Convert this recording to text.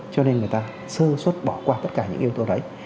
cho nên người ta sơ xuất bỏ qua tất cả những yếu tố đấy